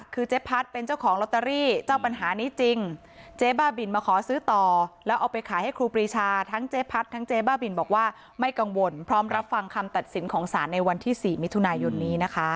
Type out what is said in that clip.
ก็ต้องมีการสอบสวนว่านำมาได้อย่างไร